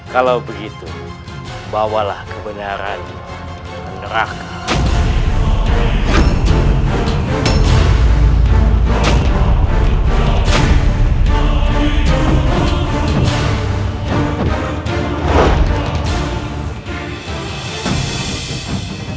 kalau begitu bawalah kebenaran ke neraka